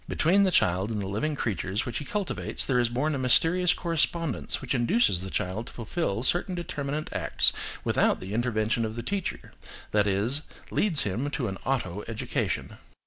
Between the child and the living creatures which he cultivates there is born a mysterious correspondence which induces the child to fulfil certain determinate acts without the intervention of the teacher, that is, leads him to an auto education.